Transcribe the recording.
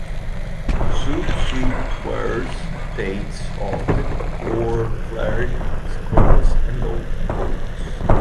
Zoot suit wearers' dates often wore flared skirts and long coats.